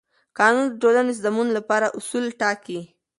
قانون د ټولنې د سمون لپاره اصول ټاکي.